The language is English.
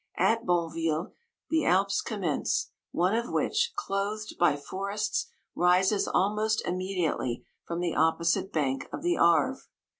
At Bonneville the Alps commence, one of which, clothed by forests, rises al most immediately from the opposite bank of the Arve.